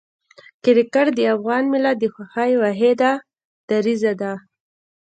کرکټ د افغان ملت د خوښۍ واحده دریڅه ده.